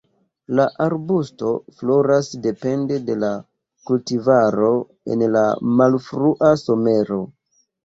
La arbusto floras depende de la kultivaro en la malfrua somero.